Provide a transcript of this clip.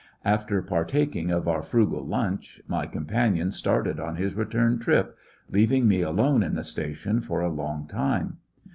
After partaking of our frugal lunch, my companion started on his return trip, leaving me alone in the station for a long time.